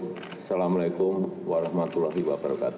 assalamu alaikum warahmatullahi wabarakatuh